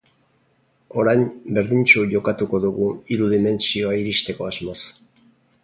Orain, berdintsu jokatuko dugu hiru dimentsioa iristeko asmoz.